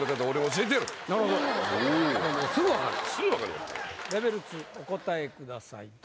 ２お答えください